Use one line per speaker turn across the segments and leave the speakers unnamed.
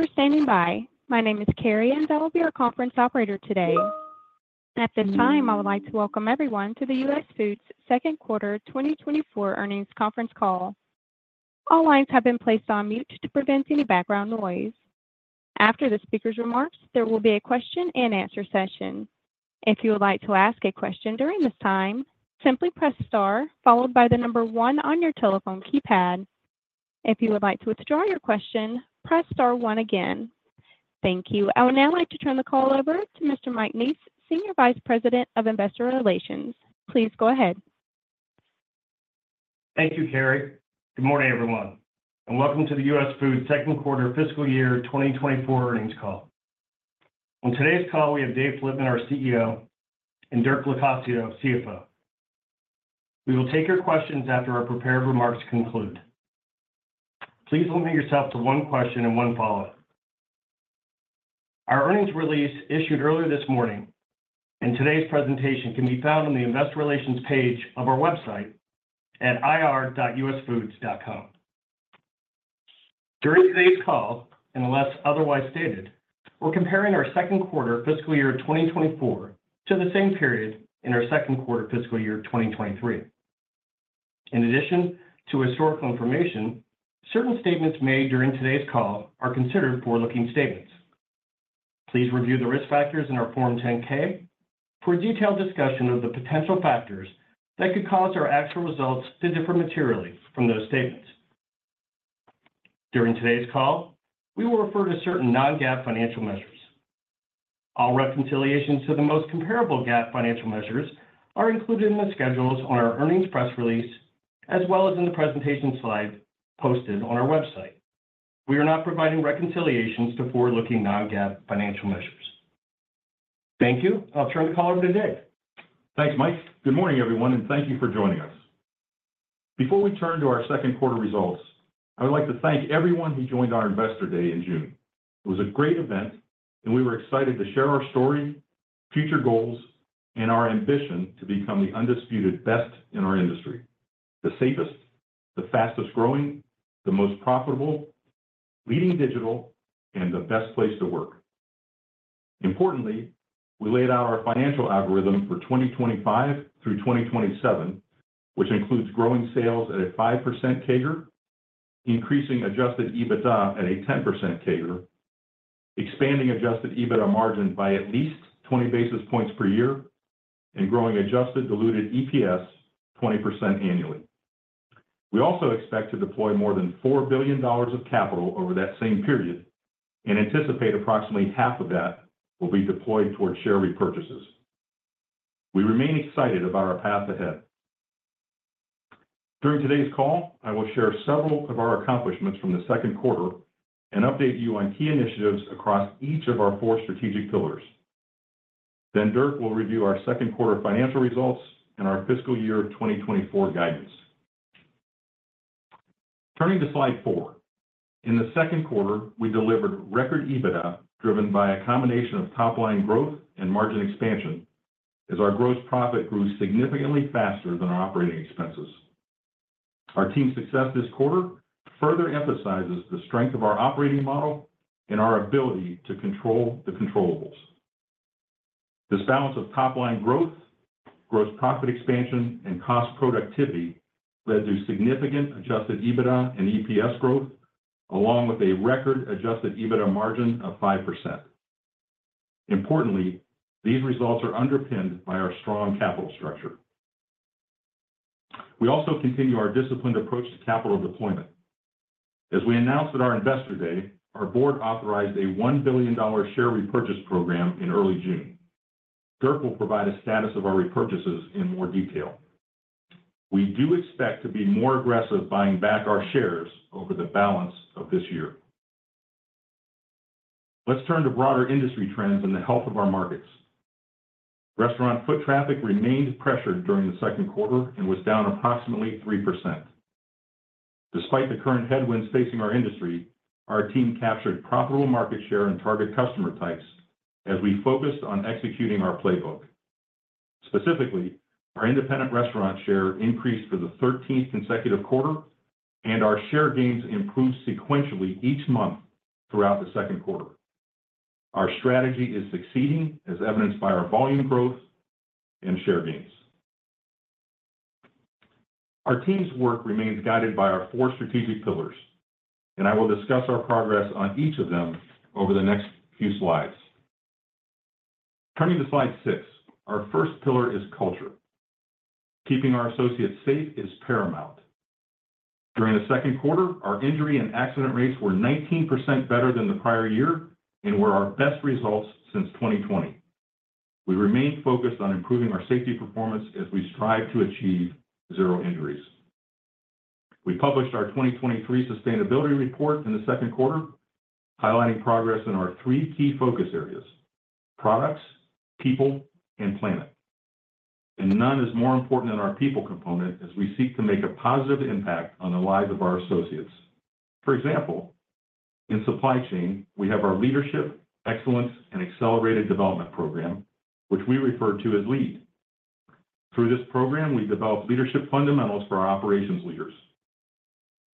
Thank you for standing by. My name is Carrie, and I will be your conference operator today. At this time, I would like to welcome everyone to the US Foods Second Quarter 2024 Earnings Conference Call. All lines have been placed on mute to prevent any background noise. After the speaker's remarks, there will be a question-and-answer session. If you would like to ask a question during this time, simply press star followed by the number one on your telephone keypad. If you would like to withdraw your question, press star one again. Thank you. I would now like to turn the call over to Mr. Mike Neese, Senior Vice President of Investor Relations. Please go ahead.
Thank you, Carrie. Good morning, everyone, and welcome to the US Foods second quarter fiscal year 2024 earnings call. On today's call, we have Dave Flitman, our CEO, and Dirk Locascio, CFO. We will take your questions after our prepared remarks conclude. Please limit yourself to one question and one follow-up. Our earnings release issued earlier this morning, and today's presentation can be found on the Investor Relations page of our website at ir.usfoods.com. During today's call, unless otherwise stated, we're comparing our second quarter fiscal year 2024 to the same period in our second quarter fiscal year 2023. In addition to historical information, certain statements made during today's call are considered forward-looking statements. Please review the risk factors in our Form 10-K for a detailed discussion of the potential factors that could cause our actual results to differ materially from those statements. During today's call, we will refer to certain non-GAAP financial measures. All reconciliations to the most comparable GAAP financial measures are included in the schedules on our earnings press release, as well as in the presentation slides posted on our website. We are not providing reconciliations to forward-looking non-GAAP financial measures. Thank you. I'll turn the call over to Dave.
Thanks, Mike. Good morning, everyone, and thank you for joining us. Before we turn to our second quarter results, I would like to thank everyone who joined our Investor Day in June. It was a great event, and we were excited to share our story, future goals, and our ambition to become the undisputed best in our industry, the safest, the fastest-growing, the most profitable, leading digital, and the best place to work. Importantly, we laid out our financial algorithm for 2025 through 2027, which includes growing sales at a 5% CAGR, increasing adjusted EBITDA at a 10% CAGR, expanding adjusted EBITDA margin by at least 20 basis points per year, and growing adjusted diluted EPS 20% annually. We also expect to deploy more than $4 billion of capital over that same period and anticipate approximately half of that will be deployed towards share repurchases. We remain excited about our path ahead. During today's call, I will share several of our accomplishments from the second quarter and update you on key initiatives across each of our four strategic pillars. Then Dirk will review our second quarter financial results and our fiscal year 2024 guidance. Turning to slide four. In the second quarter, we delivered record EBITDA, driven by a combination of top-line growth and margin expansion, as our gross profit grew significantly faster than our operating expenses. Our team's success this quarter further emphasizes the strength of our operating model and our ability to control the controllables. This balance of top-line growth, gross profit expansion, and cost productivity led to significant Adjusted EBITDA and EPS growth, along with a record Adjusted EBITDA margin of 5%. Importantly, these results are underpinned by our strong capital structure. We also continue our disciplined approach to capital deployment. As we announced at our Investor Day, our Board authorized a $1 billion share repurchase program in early June. Dirk will provide a status of our repurchases in more detail. We do expect to be more aggressive buying back our shares over the balance of this year. Let's turn to broader industry trends and the health of our markets. Restaurant foot traffic remained pressured during the second quarter and was down approximately 3%. Despite the current headwinds facing our industry, our team captured profitable market share and target customer types as we focused on executing our playbook. Specifically, our Independent Restaurant share increased for the thirteenth consecutive quarter, and our share gains improved sequentially each month throughout the second quarter. Our strategy is succeeding, as evidenced by our volume growth and share gains. Our team's work remains guided by our four strategic pillars, and I will discuss our progress on each of them over the next few slides. Turning to slide six. Our first pillar is culture. Keeping our associates safe is paramount. During the second quarter, our injury and accident rates were 19% better than the prior year and were our best results since 2020. We remain focused on improving our safety performance as we strive to achieve zero injuries. We published our 2023 sustainability report in the second quarter, highlighting progress in our three key focus areas: products, people, and planet. None is more important than our people component as we seek to make a positive impact on the lives of our associates. For example, in supply chain, we have our Leadership, Excellence, and Accelerated Development program, which we refer to as LEAD. Through this program, we developed leadership fundamentals for our operations leaders.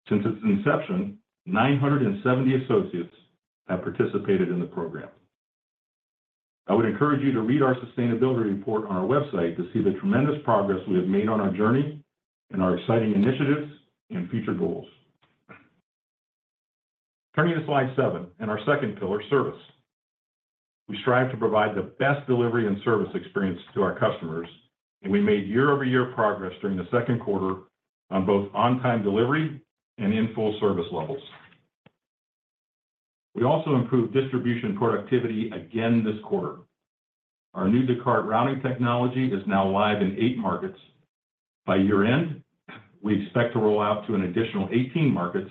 Since its inception, 970 associates have participated in the program. I would encourage you to read our sustainability report on our website to see the tremendous progress we have made on our journey and our exciting initiatives and future goals. Turning to slide seven and our second pillar, Service. We strive to provide the best delivery and service experience to our customers, and we made year-over-year progress during the second quarter on both on-time delivery and in full service levels. We also improved distribution productivity again this quarter. Our new Descartes routing technology is now live in eight markets. By year-end, we expect to roll out to an additional 18 markets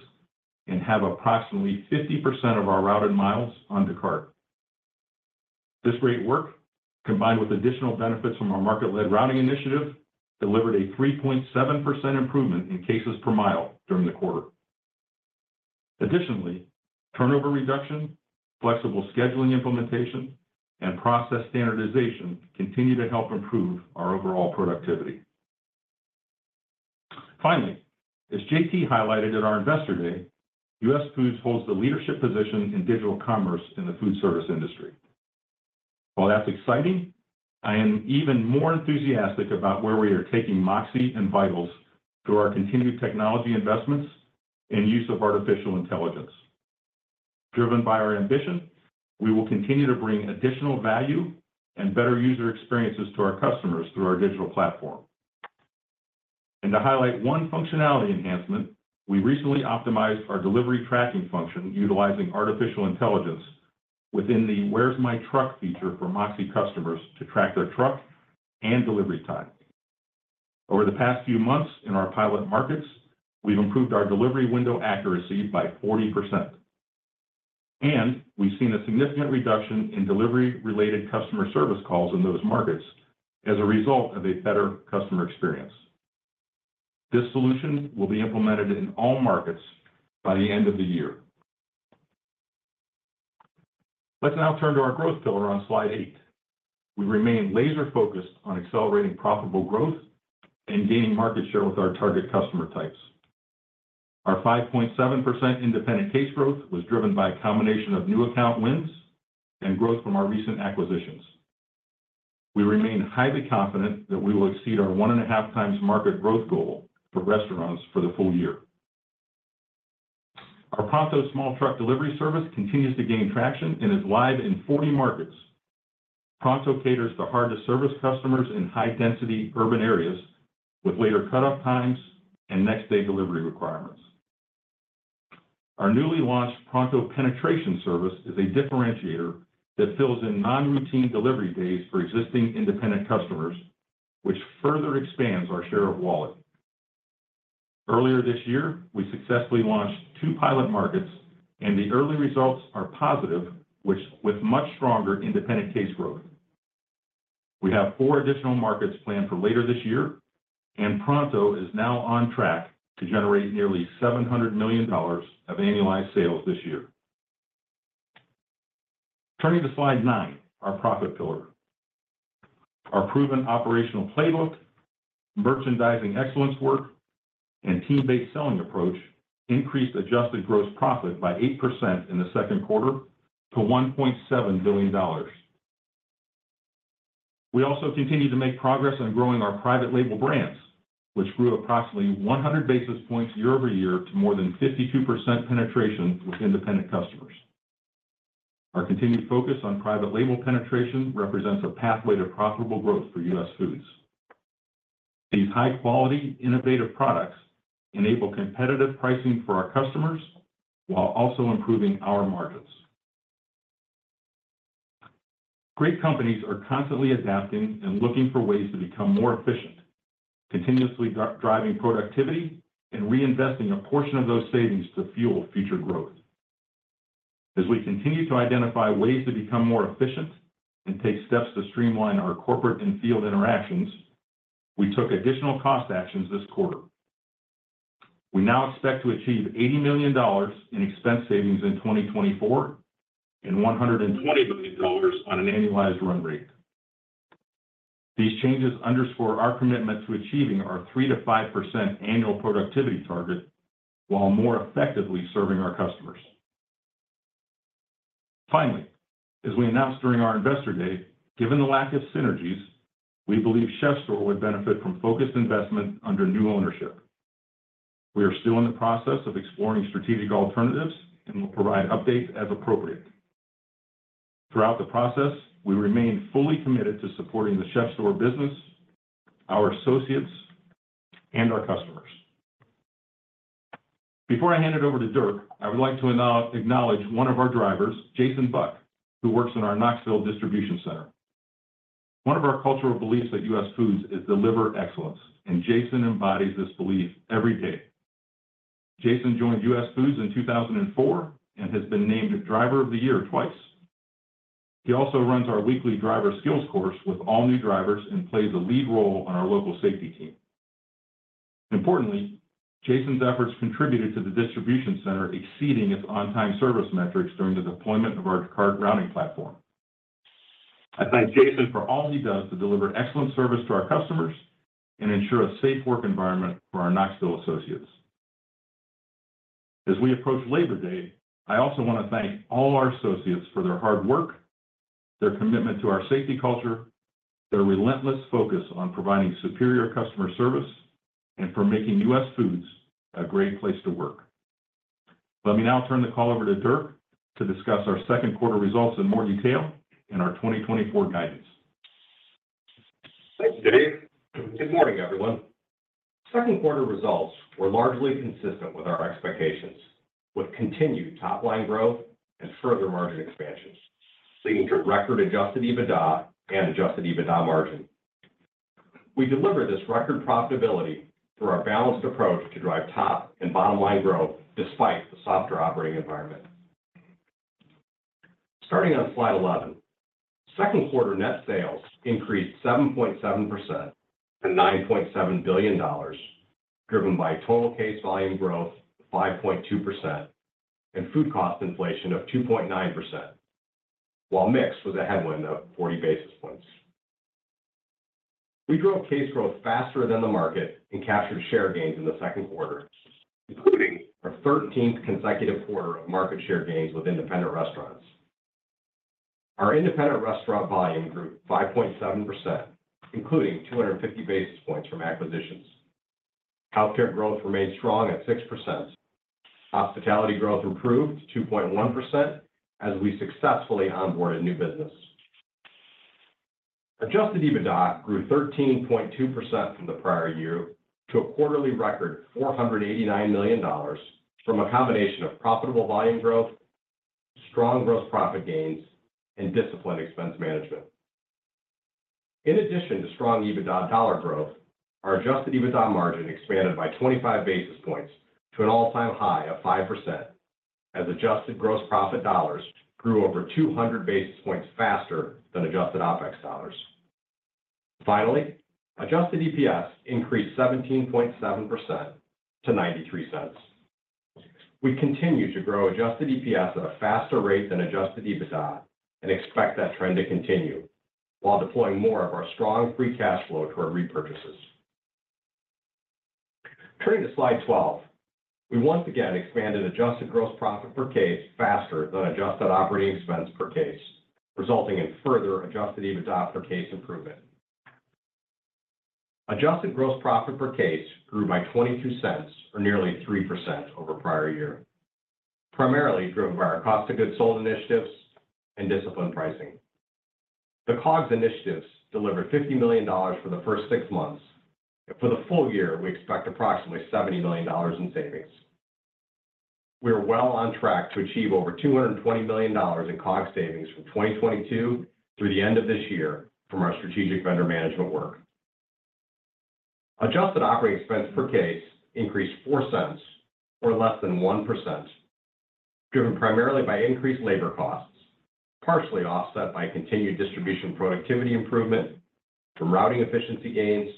and have approximately 50% of our routed miles on Descartes. This great work, combined with additional benefits from our market-led routing initiative, delivered a 3.7% improvement in cases per mile during the quarter. Additionally, turnover reduction, flexible scheduling implementation, and process standardization continue to help improve our overall productivity. Finally, as JT highlighted at our Investor Day, US Foods holds the leadership position in digital commerce in the food service industry. While that's exciting, I am even more enthusiastic about where we are taking MOXē and VITALS through our continued technology investments and use of artificial intelligence. Driven by our ambition, we will continue to bring additional value and better user experiences to our customers through our digital platform. To highlight one functionality enhancement, we recently optimized our delivery tracking function utilizing artificial intelligence within the Where's My Truck feature for MOXē customers to track their truck and delivery time. Over the past few months in our pilot markets, we've improved our delivery window accuracy by 40%, and we've seen a significant reduction in delivery-related customer service calls in those markets as a result of a better customer experience. This solution will be implemented in all markets by the end of the year. Let's now turn to our growth pillar on slide eight. We remain laser-focused on accelerating profitable growth and gaining market share with our target customer types. Our 5.7% independent case growth was driven by a combination of new account wins and growth from our recent acquisitions. We remain highly confident that we will exceed our 1.5x market growth goal for restaurants for the full year. Our Pronto small truck delivery service continues to gain traction and is live in 40 markets. Pronto caters to hard-to-service customers in high-density urban areas with later cut-off times and next-day delivery requirements. Our newly launched Pronto penetration service is a differentiator that fills in non-routine delivery days for existing independent customers, which further expands our share of wallet. Earlier this year, we successfully launched two pilot markets, and the early results are positive, which with much stronger independent case growth. We have four additional markets planned for later this year, and Pronto is now on track to generate nearly $700 million of annualized sales this year. Turning to slide nine, our profit pillar. Our proven operational playbook, merchandising excellence work, and team-based selling approach increased adjusted gross profit by 8% in the second quarter to $1.7 billion. We also continued to make progress on growing our private label brands, which grew approximately 100 basis points year-over-year to more than 52% penetration with independent customers. Our continued focus on private label penetration represents a pathway to profitable growth for US Foods. These high-quality, innovative products enable competitive pricing for our customers while also improving our margins. Great companies are constantly adapting and looking for ways to become more efficient, continuously driving productivity and reinvesting a portion of those savings to fuel future growth. As we continue to identify ways to become more efficient and take steps to streamline our corporate and field interactions, we took additional cost actions this quarter. We now expect to achieve $80 million in expense savings in 2024 and $120 million on an annualized run rate. These changes underscore our commitment to achieving our 3%-5% annual productivity target while more effectively serving our customers. Finally, as we announced during our Investor Day, given the lack of synergies, we believe CHEF’STORE would benefit from focused investment under new ownership. We are still in the process of exploring strategic alternatives and will provide updates as appropriate. Throughout the process, we remain fully committed to supporting the CHEF’STORE business, our associates, and our customers. Before I hand it over to Dirk, I would like to acknowledge one of our drivers, Jason Buck, who works in our Knoxville Distribution Center. One of our cultural beliefs at US Foods is deliver excellence, and Jason embodies this belief every day. Jason joined US Foods in 2004 and has been named Driver of the Year twice. He also runs our weekly driver skills course with all new drivers and plays a lead role on our local safety team. Importantly, Jason's efforts contributed to the distribution center exceeding its on-time service metrics during the deployment of our Descartes routing platform. I thank Jason for all he does to deliver excellent service to our customers and ensure a safe work environment for our Knoxville associates. As we approach Labor Day, I also want to thank all our associates for their hard work, their commitment to our safety culture, their relentless focus on providing superior customer service, and for making US Foods a great place to work. Let me now turn the call over to Dirk to discuss our second quarter results in more detail and our 2024 guidance.
Thanks, Dave. Good morning, everyone. Second quarter results were largely consistent with our expectations, with continued top-line growth and further margin expansions, leading to record Adjusted EBITDA and Adjusted EBITDA margin. We delivered this record profitability through our balanced approach to drive top and bottom line growth despite the softer operating environment. Starting on slide 11, second quarter net sales increased 7.7% to $9.7 billion, driven by total case volume growth of 5.2% and food cost inflation of 2.9%, while mix was a headwind of 40 basis points. We grew case growth faster than the market and captured share gains in the second quarter, including our 13th consecutive quarter of market share gains with Independent Restaurants. Our Independent Restaurant volume grew 5.7%, including 250 basis points from acquisitions. Healthcare growth remained strong at 6%. Hospitality growth improved 2.1% as we successfully onboarded new business. Adjusted EBITDA grew 13.2% from the prior year to a quarterly record $489 million from a combination of profitable volume growth, strong gross profit gains, and disciplined expense management. In addition to strong EBITDA dollar growth, our adjusted EBITDA margin expanded by 25 basis points to an all-time high of 5%, as adjusted gross profit dollars grew over 200 basis points faster than adjusted OpEx dollars. Finally, adjusted EPS increased 17.7% to $0.93. We continue to grow adjusted EPS at a faster rate than adjusted EBITDA and expect that trend to continue, while deploying more of our strong free cash flow toward repurchases. Turning to slide 12, we once again expanded adjusted gross profit per case faster than adjusted operating expense per case, resulting in further Adjusted EBITDA per case improvement. Adjusted gross profit per case grew by $0.22, or nearly 3% over prior year, primarily driven by our cost of goods sold initiatives and disciplined pricing. The COGS initiatives delivered $50 million for the first six months, and for the full year, we expect approximately $70 million in savings. We are well on track to achieve over $220 million in COGS savings from 2022 through the end of this year from our strategic vendor management work. Adjusted operating expense per case increased $0.04, or less than 1%, driven primarily by increased labor costs, partially offset by continued distribution productivity improvement from routing efficiency gains,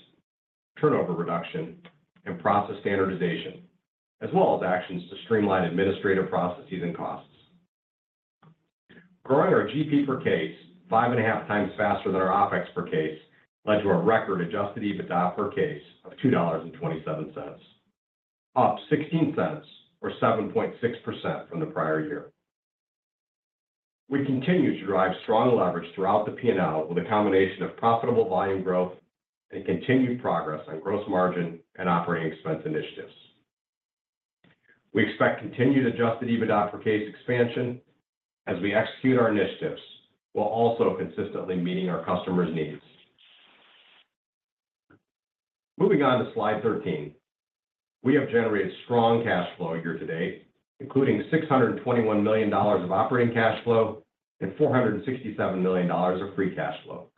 turnover reduction, and process standardization, as well as actions to streamline administrative processes and costs. Growing our GP per case 5.5x faster than our OpEx per case led to a record adjusted EBITDA per case of $2.27, up $0.16 or 7.6% from the prior year. We continue to drive strong leverage throughout the P&L with a combination of profitable volume growth and continued progress on gross margin and operating expense initiatives. We expect continued adjusted EBITDA per case expansion as we execute our initiatives, while also consistently meeting our customers' needs. Moving on to slide 13. We have generated strong cash flow year to date, including $621 million of operating cash flow and $467 million of free cash flow,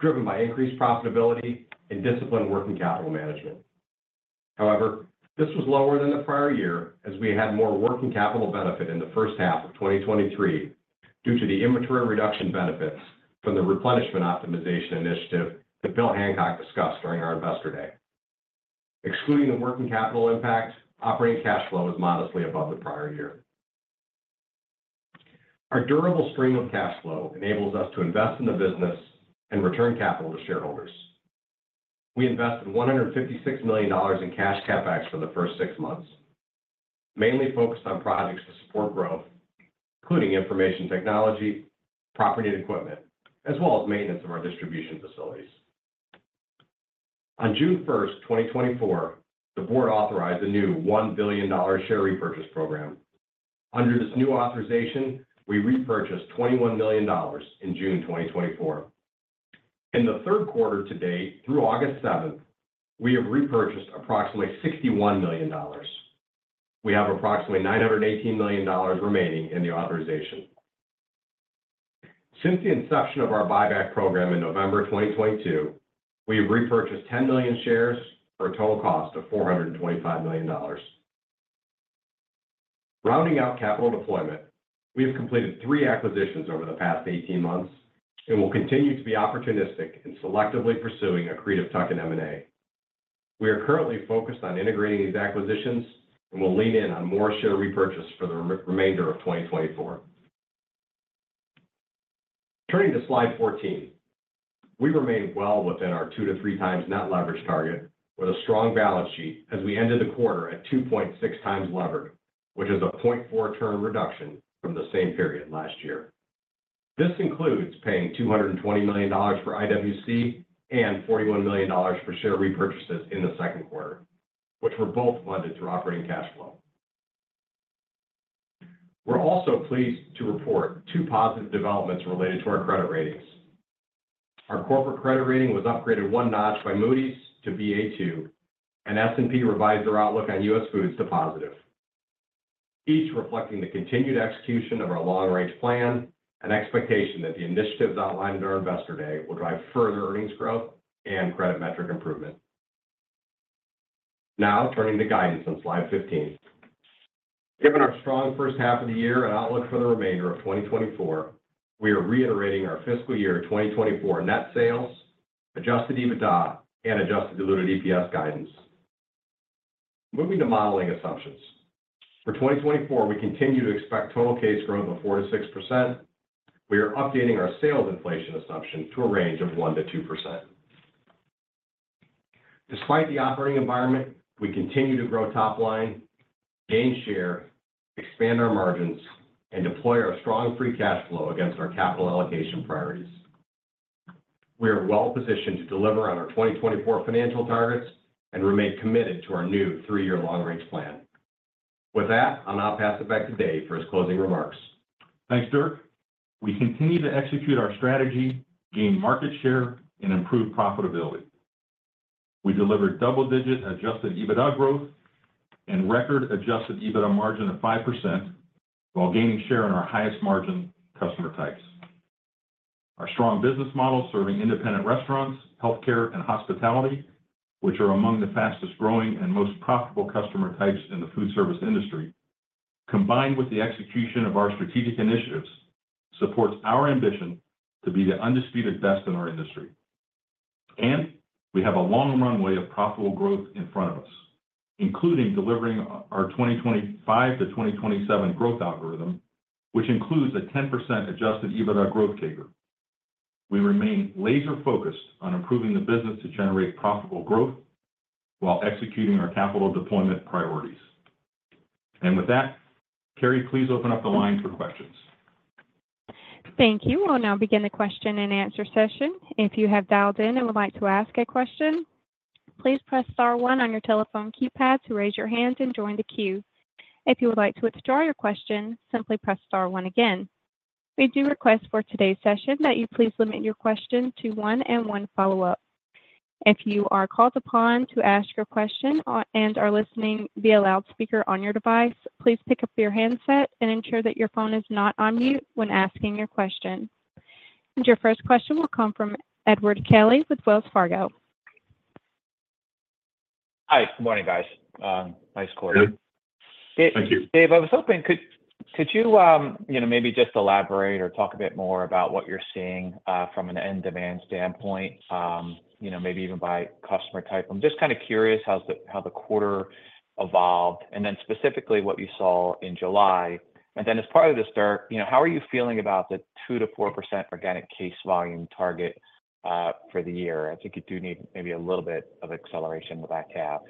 driven by increased profitability and disciplined working capital management. However, this was lower than the prior year as we had more working capital benefit in the first half of 2023 due to the inventory reduction benefits from the replenishment optimization initiative that Bill Hancock discussed during our Investor Day. Excluding the working capital impact, operating cash flow is modestly above the prior year. Our durable stream of cash flow enables us to invest in the business and return capital to shareholders. We invested $156 million in cash CapEx for the first six months, mainly focused on projects to support growth, including information technology, property and equipment, as well as maintenance of our distribution facilities. On June 1st, 2024, the Board authorized a new $1 billion share repurchase program. Under this new authorization, we repurchased $21 million in June 2024. In the third quarter to date, through August 7th, we have repurchased approximately $61 million. We have approximately $918 million remaining in the authorization. Since the inception of our buyback program in November 2022, we have repurchased 10 million shares for a total cost of $425 million.... Rounding out capital deployment, we have completed three acquisitions over the past 18 months, and we'll continue to be opportunistic in selectively pursuing accretive tuck-in M&A. We are currently focused on integrating these acquisitions, and we'll lean in on more share repurchase for the remainder of 2024. Turning to slide 14, we remain well within our 2x-3x net leverage target, with a strong balance sheet as we ended the quarter at 2.6x levered, which is a 0.4 turn reduction from the same period last year. This includes paying $220 million for IWC and $41 million for share repurchases in the second quarter, which were both funded through operating cash flow. We're also pleased to report two positive developments related to our credit ratings. Our corporate credit rating was upgraded one notch by Moody's to Ba2, and S&P revised their outlook on US Foods to positive. Each reflecting the continued execution of our long-range plan and expectation that the initiatives outlined in our Investor Day will drive further earnings growth and credit metric improvement. Now, turning to guidance on slide 15. Given our strong first half of the year and outlook for the remainder of 2024, we are reiterating our fiscal year 2024 net sales, adjusted EBITDA, and adjusted diluted EPS guidance. Moving to modeling assumptions. For 2024, we continue to expect total case growth of 4%-6%. We are updating our sales inflation assumption to a range of 1%-2%. Despite the operating environment, we continue to grow top line, gain share, expand our margins, and deploy our strong free cash flow against our capital allocation priorities. We are well positioned to deliver on our 2024 financial targets and remain committed to our new three-year long-range plan. With that, I'll now pass it back to Dave for his closing remarks.
Thanks, Dirk. We continue to execute our strategy, gain market share, and improve profitability. We delivered double-digit adjusted EBITDA growth and record adjusted EBITDA margin of 5%, while gaining share in our highest margin customer types. Our strong business model, serving Independent Restaurants, Healthcare, and Hospitality, which are among the fastest growing and most profitable customer types in the food service industry, combined with the execution of our strategic initiatives, supports our ambition to be the undisputed best in our industry. And we have a long runway of profitable growth in front of us, including delivering our 2025-2027 growth algorithm, which includes a 10% adjusted EBITDA growth CAGR. We remain laser focused on improving the business to generate profitable growth while executing our capital deployment priorities. And with that, Carrie, please open up the line for questions.
Thank you. We'll now begin the question-and-answer session. If you have dialed in and would like to ask a question, please press star one on your telephone keypad to raise your hand and join the queue. If you would like to withdraw your question, simply press star one again. We do request for today's session that you please limit your question to one and one follow-up. If you are called upon to ask your question, and are listening via loudspeaker on your device, please pick up your handset and ensure that your phone is not on mute when asking your question. Your first question will come from Edward Kelly with Wells Fargo.
Hi, good morning, guys. Nice quarter.
Good. Thank you.
Dave, I was hoping, could you, you know, maybe just elaborate or talk a bit more about what you're seeing from an end demand standpoint, you know, maybe even by customer type? I'm just kind of curious how the quarter evolved, and then specifically what you saw in July. And then as part of this, Dirk, you know, how are you feeling about the 2%-4% organic case volume target for the year? I think you do need maybe a little bit of acceleration with that cap.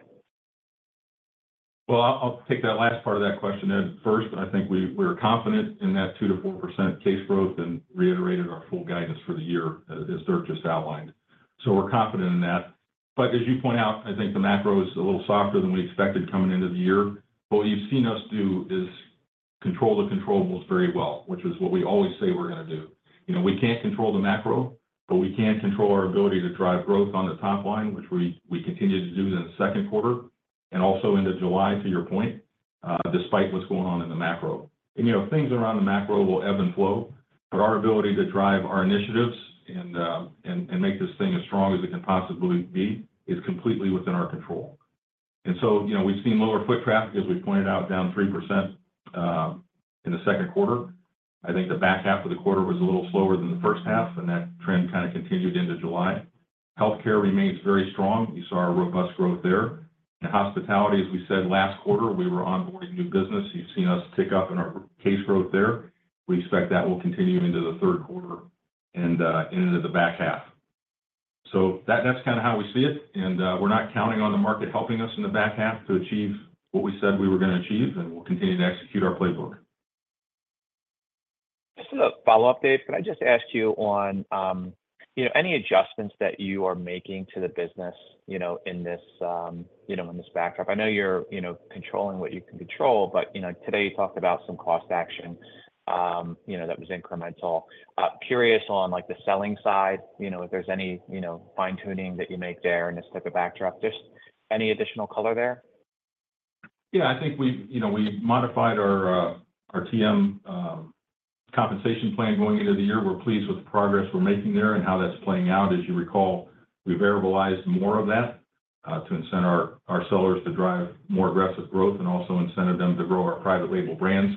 Well, I'll take that last part of that question, Ed. First, I think we're confident in that 2%-4% case growth and reiterated our full guidance for the year, as Dirk just outlined. So we're confident in that. But as you point out, I think the macro is a little softer than we expected coming into the year. What you've seen us do is control the controllables very well, which is what we always say we're gonna do. You know, we can't control the macro, but we can control our ability to drive growth on the top line, which we continued to do in the second quarter, and also into July, to your point, despite what's going on in the macro. You know, things around the macro will ebb and flow, but our ability to drive our initiatives and make this thing as strong as it can possibly be is completely within our control. So, you know, we've seen lower foot traffic, as we pointed out, down 3% in the second quarter. I think the back half of the quarter was a little slower than the first half, and that trend kind of continued into July. Healthcare remains very strong. We saw a robust growth there. In Hospitality, as we said last quarter, we were onboarding new business. You've seen us tick up in our case growth there. We expect that will continue into the third quarter and into the back half. So that's kind of how we see it, and, we're not counting on the market helping us in the back half to achieve what we said we were gonna achieve, and we'll continue to execute our playbook.
Just a follow-up, Dave. Can I just ask you on, you know, any adjustments that you are making to the business, you know, in this, you know, in this backdrop? I know you're, you know, controlling what you can control, but, you know, today you talked about some cost action, you know, that was incremental. Curious on, like, the selling side, you know, if there's any, you know, fine-tuning that you make there in this type of backdrop. Just any additional color there?
Yeah, I think we've, you know, we modified our TM compensation plan going into the year. We're pleased with the progress we're making there and how that's playing out. As you recall, we variable-ized more of that to incent our sellers to drive more aggressive growth and also incentive them to grow our private label brands.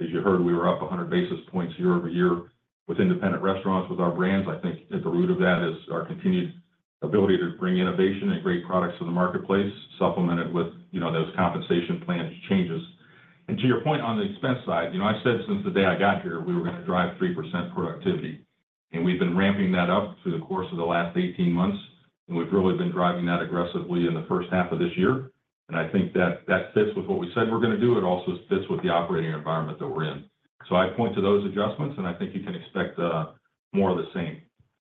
As you heard, we were up 100 basis points year-over-year with Independent Restaurants with our brands. I think at the root of that is our continued ability to bring innovation and great products to the marketplace, supplemented with, you know, those compensation plan changes. To your point on the expense side, you know, I've said since the day I got here, we were gonna drive 3% productivity, and we've been ramping that up through the course of the last 18 months, and we've really been driving that aggressively in the first half of this year. And I think that, that fits with what we said we're gonna do, it also fits with the operating environment that we're in. So I point to those adjustments, and I think you can expect more of the same.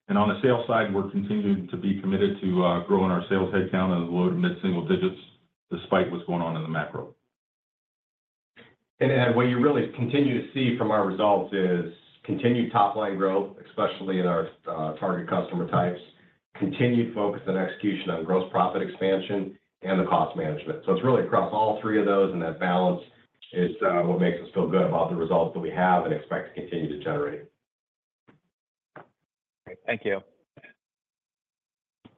And on the sales side, we're continuing to be committed to growing our sales headcount in the low to mid single digits despite what's going on in the macro.
What you really continue to see from our results is continued top-line growth, especially in our target customer types, continued focus on execution on gross profit expansion and the cost management. It's really across all three of those, and that balance is what makes us feel good about the results that we have and expect to continue to generate.
Great. Thank you.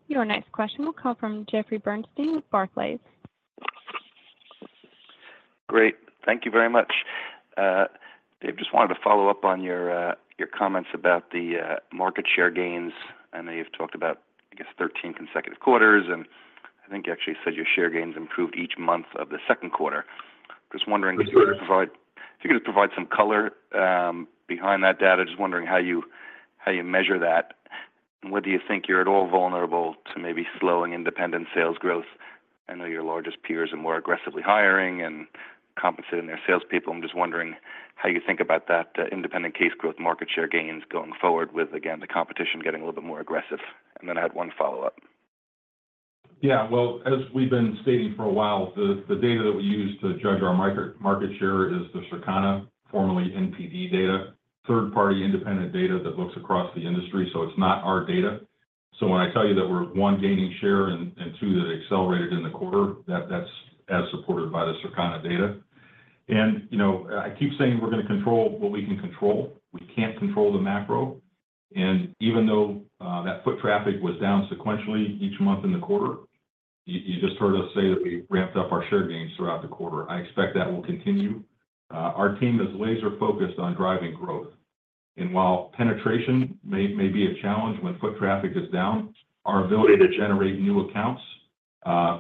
Your next question will come from Jeffrey Bernstein with Barclays.
Great. Thank you very much. Dave, just wanted to follow up on your your comments about the market share gains. I know you've talked about, I guess, 13 consecutive quarters, and I think you actually said your share gains improved each month of the second quarter. Just wondering-
Yes, sir.
If you could just provide, if you could just provide some color behind that data. Just wondering how you, how you measure that, and whether you think you're at all vulnerable to maybe slowing independent sales growth. I know your largest peers are more aggressively hiring and compensating their salespeople. I'm just wondering how you think about that independent case growth, market share gains going forward with, again, the competition getting a little bit more aggressive. And then I had one follow-up.
Yeah, well, as we've been stating for a while, the data that we use to judge our market share is the Circana, formerly NPD data, third-party independent data that looks across the industry, so it's not our data. So when I tell you that we're one, gaining share, and two, that it accelerated in the quarter, that's as supported by the Circana data. And, you know, I keep saying we're gonna control what we can control. We can't control the macro. And even though that foot traffic was down sequentially each month in the quarter, you just heard us say that we ramped up our share gains throughout the quarter. I expect that will continue. Our team is laser-focused on driving growth, and while penetration may be a challenge when foot traffic is down, our ability to generate new accounts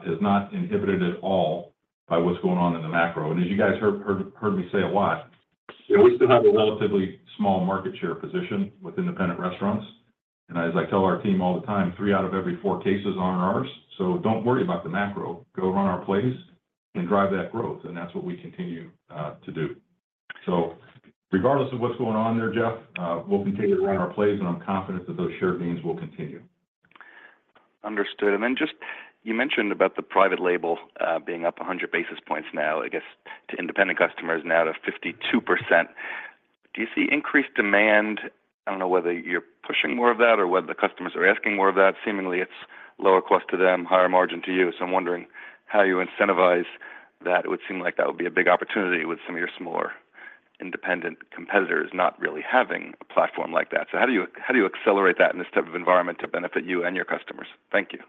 is not inhibited at all by what's going on in the macro. And as you guys heard me say a lot, we still have a relatively small market share position with Independent Restaurants, and as I tell our team all the time, "Three out of every four cases aren't ours, so don't worry about the macro. Go run our plays and drive that growth," and that's what we continue to do. So regardless of what's going on there, Jeff, we'll continue to run our plays, and I'm confident that those share gains will continue.
Understood. And then just, you mentioned about the private label, being up 100 basis points now, I guess, to independent customers, now to 52%. Do you see increased demand? I don't know whether you're pushing more of that or whether the customers are asking more of that. Seemingly, it's lower cost to them, higher margin to you, so I'm wondering how you incentivize that. It would seem like that would be a big opportunity with some of your smaller independent competitors not really having a platform like that. So how do you, how do you accelerate that in this type of environment to benefit you and your customers? Thank you.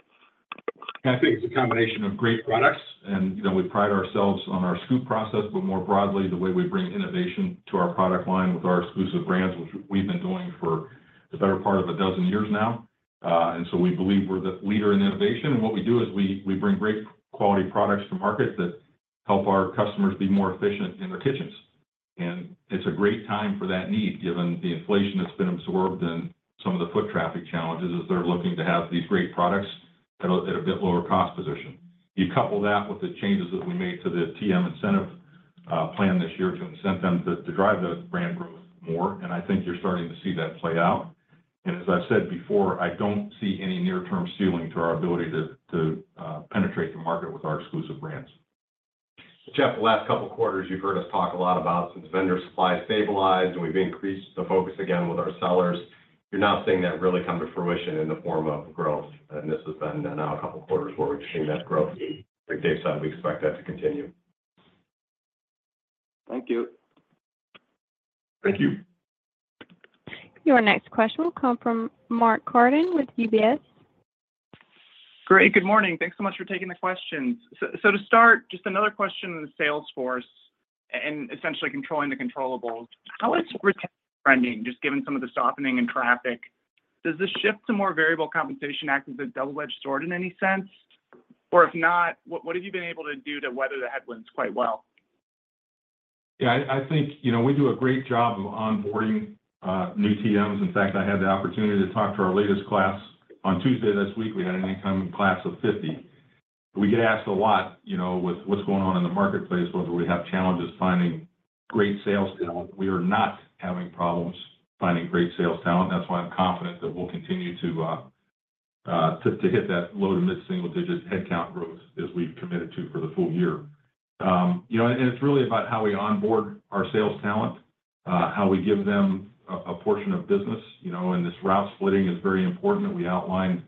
I think it's a combination of great products and, you know, we pride ourselves on our Scoop process, but more broadly, the way we bring innovation to our product line with our exclusive brands, which we've been doing for the better part of a dozen years now. And so we believe we're the leader in innovation, and what we do is we, we bring great quality products to market that help our customers be more efficient in their kitchens. And it's a great time for that need, given the inflation that's been absorbed and some of the foot traffic challenges, as they're looking to have these great products at a, at a bit lower cost position. You couple that with the changes that we made to the TM incentive plan this year to incent them to drive those brand growth more, and I think you're starting to see that play out. And as I've said before, I don't see any near-term ceiling to our ability to penetrate the market with our exclusive brands.
Jeff, the last couple of quarters, you've heard us talk a lot about since vendor supply stabilized and we've increased the focus again with our sellers. You're now seeing that really come to fruition in the form of growth, and this has been now a couple of quarters where we've seen that growth. Like Dave said, we expect that to continue.
Thank you.
Thank you.
Your next question will come from Mark Carden with UBS.
Great, good morning. Thanks so much for taking the questions. So, so to start, just another question on the sales force and essentially controlling the controllables. How is retention trending, just given some of the softening in traffic? Does this shift to more variable compensation act as a double-edged sword in any sense? Or if not, what, what have you been able to do to weather the headwinds quite well?
Yeah, I think, you know, we do a great job of onboarding new TMs. In fact, I had the opportunity to talk to our latest class on Tuesday this week. We had an incoming class of 50. We get asked a lot, you know, with what's going on in the marketplace, whether we have challenges finding great sales talent. We are not having problems finding great sales talent. That's why I'm confident that we'll continue to hit that low- to mid-single-digit headcount growth as we've committed to for the full year. You know, and it's really about how we onboard our sales talent, how we give them a portion of business, you know, and this route splitting is very important that we outlined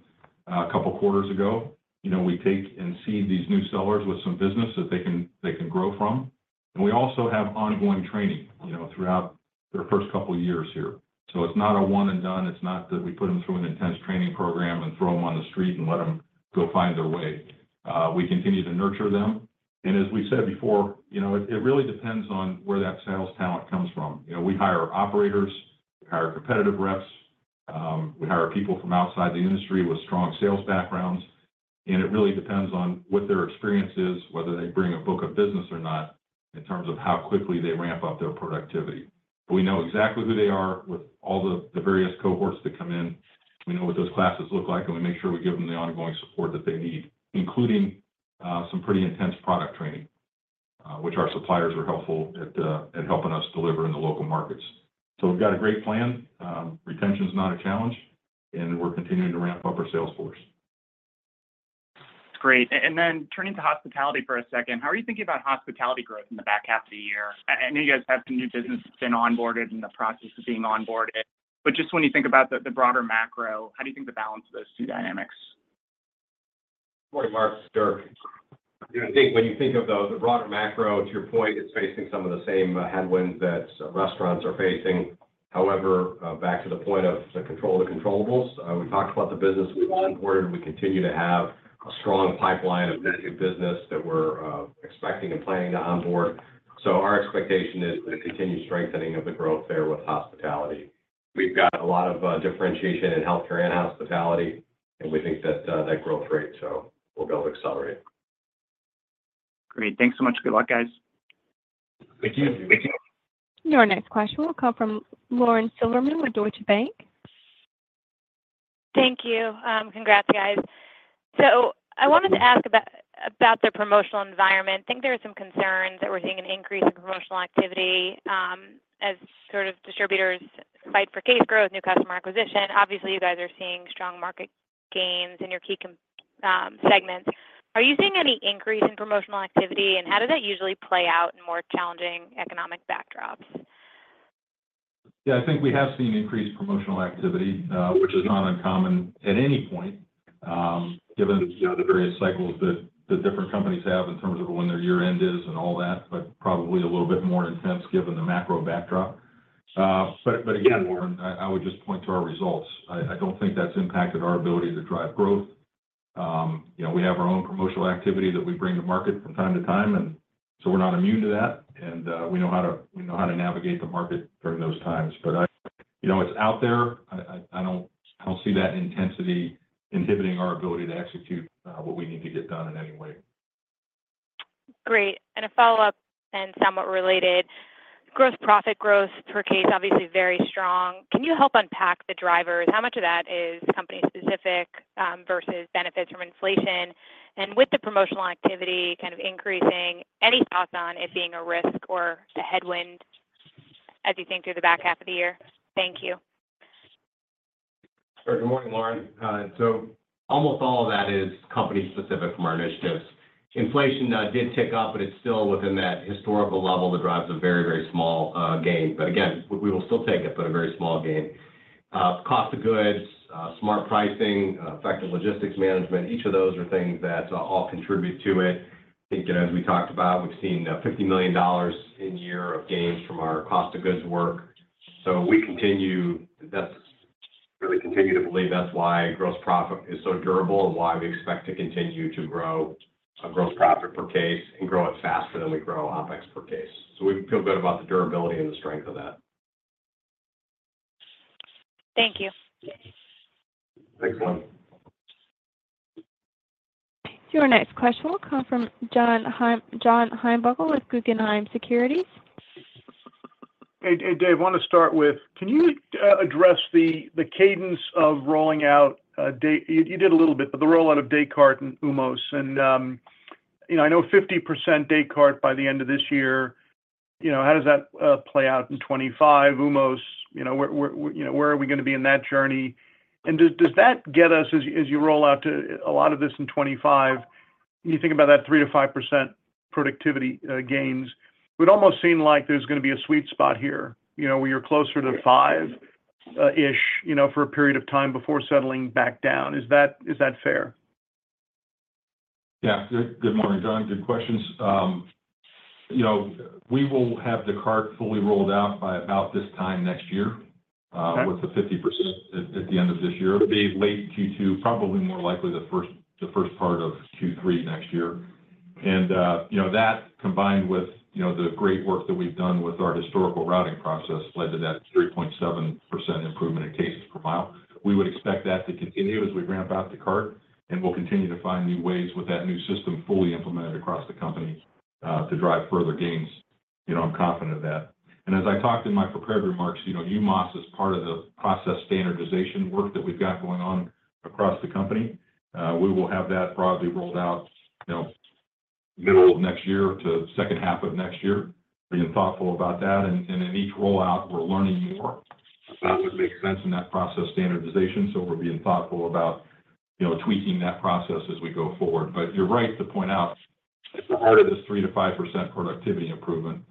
a couple quarters ago. You know, we take and seed these new sellers with some business that they can, they can grow from, and we also have ongoing training, you know, throughout their first couple years here. So it's not a one and done, it's not that we put them through an intense training program and throw them on the street and let them go find their way. We continue to nurture them. And as we said before, you know, it, it really depends on where that sales talent comes from. You know, we hire operators, we hire competitive reps, we hire people from outside the industry with strong sales backgrounds, and it really depends on what their experience is, whether they bring a book of business or not, in terms of how quickly they ramp up their productivity. We know exactly who they are with all the various cohorts that come in. We know what those classes look like, and we make sure we give them the ongoing support that they need, including some pretty intense product training, which our suppliers are helpful at, at helping us deliver in the local markets. So we've got a great plan. Retention is not a challenge, and we're continuing to ramp up our sales force.
Great. And then turning to Hospitality for a second, how are you thinking about Hospitality growth in the back half of the year? I know you guys have some new business that's been onboarded, in the process of being onboarded, but just when you think about the broader macro, how do you think the balance of those two dynamics?
Good morning, Mark. You know, I think when you think of the broader macro, to your point, it's facing some of the same headwinds that restaurants are facing. However, back to the point to control the controllables, we talked about the business we onboard, and we continue to have a strong pipeline of new business that we're expecting and planning to onboard. So our expectation is the continued strengthening of the growth there with Hospitality. We've got a lot of differentiation in Healthcare and Hospitality, and we think that that growth rate, so we'll be able to accelerate.
Great. Thanks so much. Good luck, guys.
Thank you.
Your next question will come from Lauren Silberman with Deutsche Bank.
Thank you. Congrats, guys. So I wanted to ask about the promotional environment. I think there are some concerns that we're seeing an increase in promotional activity, as sort of distributors fight for case growth, new customer acquisition. Obviously, you guys are seeing strong market gains in your key comp segments. Are you seeing any increase in promotional activity, and how does that usually play out in more challenging economic backdrops?
Yeah, I think we have seen increased promotional activity, which is not uncommon at any point, given, you know, the various cycles that the different companies have in terms of when their year end is and all that, but probably a little bit more intense given the macro backdrop. But again, Lauren, I would just point to our results. I don't think that's impacted our ability to drive growth. You know, we have our own promotional activity that we bring to market from time to time, and so we're not immune to that, and we know how to navigate the market during those times. But I... You know, it's out there. I don't see that intensity inhibiting our ability to execute what we need to get done in any way.
Great. And a follow-up and somewhat related, gross profit growth per case, obviously, very strong. Can you help unpack the drivers? How much of that is company specific, versus benefits from inflation? And with the promotional activity kind of increasing, any thoughts on it being a risk or a headwind as you think through the back half of the year? Thank you.
Good morning, Lauren. So almost all of that is company specific from our initiatives. Inflation did tick up, but it's still within that historical level that drives a very, very small gain. But again, we will still take it, but a very small gain. Cost of goods, smart pricing, effective logistics management, each of those are things that all contribute to it. I think as we talked about, we've seen $50 million in year of gains from our cost of goods work. So we continue, that's really continue to believe that's why gross profit is so durable and why we expect to continue to grow a gross profit per case and grow it faster than we grow OpEx per case. So we feel good about the durability and the strength of that.
Thank you.
Thanks, Lauren.
Your next question will come from John Heinbockel with Guggenheim Securities.
Hey, Dave, want to start with, can you address the, the cadence of rolling out, you did a little bit, but the rollout of Descartes and the MOS? And, you know, I know 50% Descartes by the end of this year. You know, how does that play out in 25? The MOS, you know, where, where, you know, where are we gonna be in that journey? And does, does that get us, as you, as you roll out to a lot of this in 25, you think about that 3%-5% productivity gains, it would almost seem like there's gonna be a sweet spot here. You know, where you're closer to five-ish, you know, for a period of time before settling back down. Is that, is that fair?
Yeah. Good morning, John. Good questions. You know, we will have Descartes fully rolled out by about this time next year, with the 50% at the end of this year. It'll be late Q2, probably more likely the first part of Q3 next year. And, you know, that combined with, you know, the great work that we've done with our historical routing process, led to that 3.7% improvement in cases per mile. We would expect that to continue as we ramp out Descartes, and we'll continue to find new ways with that new system fully implemented across the company, to drive further gains. You know, I'm confident of that. And as I talked in my prepared remarks, you know, the MOS is part of the process standardization work that we've got going on across the company. We will have that broadly rolled out, you know, middle of next year to second half of next year. Being thoughtful about that, in each rollout, we're learning more about what makes sense in that process standardization, so we're being thoughtful about, you know, tweaking that process as we go forward. But you're right to point out, as the heart of this 3%-5% productivity improvement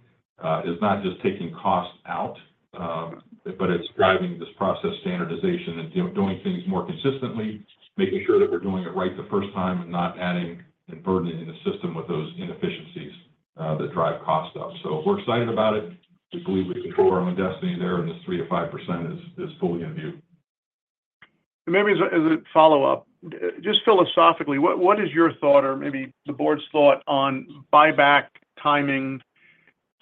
is not just taking costs out, but it's driving this process standardization and doing things more consistently, making sure that we're doing it right the first time and not adding and burdening the system with those inefficiencies that drive cost up. So we're excited about it. We believe we control our own destiny there, and this 3%-5% is fully in view.
And maybe as a follow-up, just philosophically, what is your thought or maybe the Board's thought on buyback timing,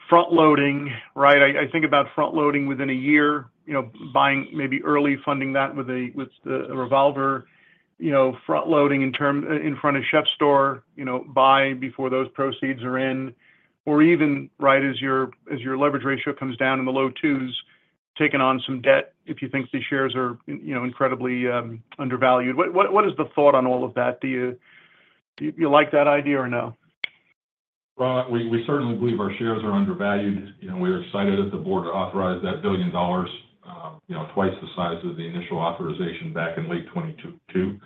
front loading, right? I think about front loading within a year, you know, buying maybe early funding that with a, with the revolver, you know, front loading interim, in front of CHEF'STORE, you know, buying before those proceeds are in, or even right as your leverage ratio comes down in the low twos, taking on some debt, if you think the shares are, you know, incredibly undervalued. What is the thought on all of that? Do you, Do you like that idea or no?
Well, we certainly believe our shares are undervalued. You know, we are excited that the Board authorized that $1 billion, you know, twice the size of the initial authorization back in late 2022.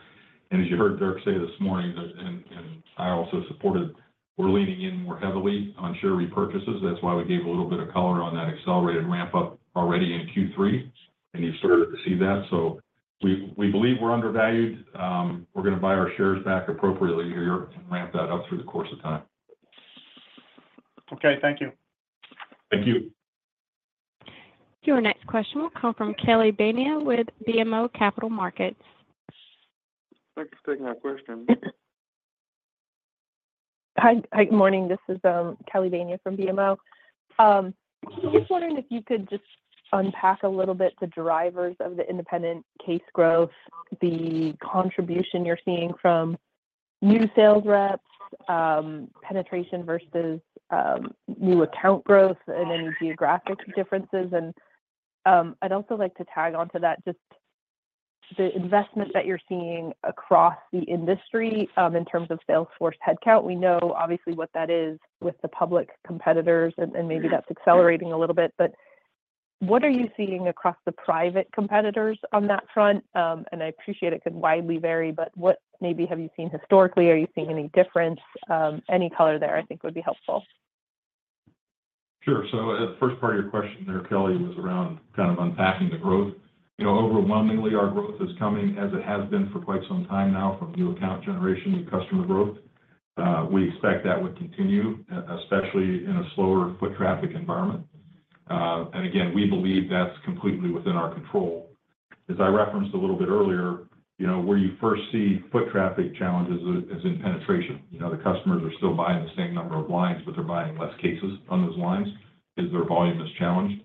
And as you heard Dirk say this morning, and I also supported, we're leaning in more heavily on share repurchases. That's why we gave a little bit of color on that accelerated ramp up already in Q3, and you've started to see that. So we believe we're undervalued. We're going to buy our shares back appropriately here and ramp that up through the course of time.
Okay, thank you.
Thank you.
Your next question will come from Kelly Bania with BMO Capital Markets.
Thanks for taking our question. Hi. Hi, good morning, this is Kelly Bania from BMO. Just wondering if you could just unpack a little bit the drivers of the independent case growth, the contribution you're seeing from new sales reps, penetration versus new account growth and any geographic differences. I'd also like to tag on to that, just the investment that you're seeing across the industry in terms of sales force headcount. We know obviously what that is with the public competitors, and maybe that's accelerating a little bit. But what are you seeing across the private competitors on that front? And I appreciate it could widely vary, but what maybe have you seen historically? Are you seeing any difference? Any color there, I think, would be helpful.
Sure. So the first part of your question there, Kelly, was around kind of unpacking the growth. You know, overwhelmingly, our growth is coming, as it has been for quite some time now, from new account generation and customer growth. We expect that would continue, especially in a slower foot traffic environment. And again, we believe that's completely within our control. As I referenced a little bit earlier, you know, where you first see foot traffic challenges is in penetration. You know, the customers are still buying the same number of lines, but they're buying less cases on those lines because their volume is challenged.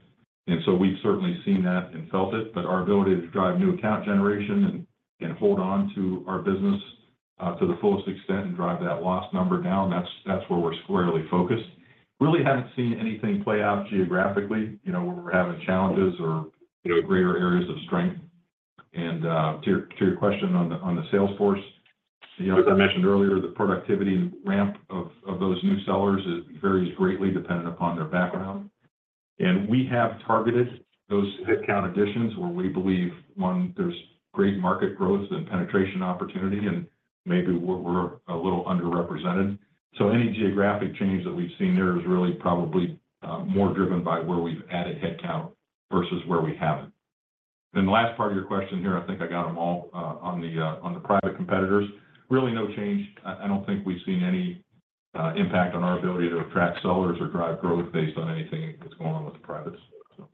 And so we've certainly seen that and felt it, but our ability to drive new account generation and hold on to our business, to the fullest extent and drive that loss number down, that's where we're squarely focused. Really haven't seen anything play out geographically, you know, where we're having challenges or greater areas of strength. And, to, to your question on the, on the sales force, you know, as I mentioned earlier, the productivity and ramp of, of those new sellers is varies greatly dependent upon their background. And we have targeted those headcount additions where we believe, one, there's great market growth and penetration opportunity, and maybe we're, we're a little underrepresented. So any geographic change that we've seen there is really probably, more driven by where we've added headcount versus where we haven't. Then the last part of your question here, I think I got them all, on the, on the private competitors. Really no change. I don't think we've seen any impact on our ability to attract sellers or drive growth based on anything that's going on with the privates, so.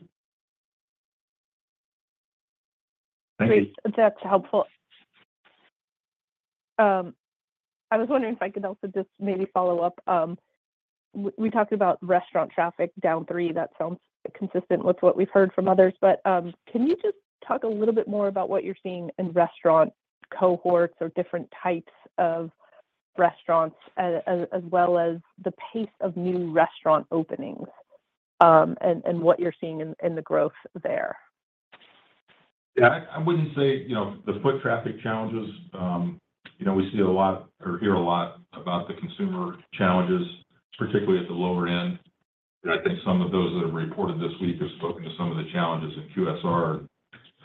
Thank you.
Great. That's helpful. I was wondering if I could also just maybe follow up. We talked about restaurant traffic down 3%. That sounds consistent with what we've heard from others. But can you just talk a little bit more about what you're seeing in restaurant cohorts or different types of restaurants, as well as the pace of new restaurant openings, and what you're seeing in the growth there?
Yeah. I wouldn't say, you know, the foot traffic challenges, you know, we see a lot or hear a lot about the consumer challenges, particularly at the lower end. And I think some of those that have reported this week have spoken to some of the challenges in